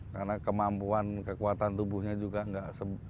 karena kemampuan kekuatan tubuhnya juga nggak